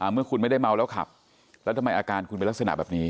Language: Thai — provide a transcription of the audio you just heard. เมื่อคุณไม่ได้เมาแล้วขับแล้วทำไมอาการคุณเป็นลักษณะแบบนี้